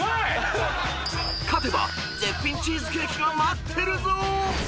［勝てば絶品チーズケーキが待ってるぞ！］